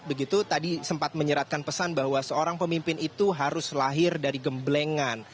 begitu tadi sempat menyeratkan pesan bahwa seorang pemimpin itu harus lahir dari gemblengan